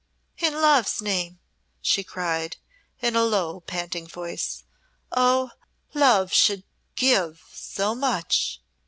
"In Love's name!" she cried, in a low, panting voice. "Oh, Love should give so much.